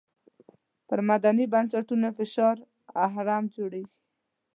پر مدني بنسټونو فشاري اهرم جوړېږي.